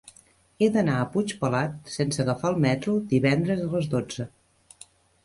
He d'anar a Puigpelat sense agafar el metro divendres a les dotze.